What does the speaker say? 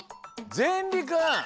ぜんりくん！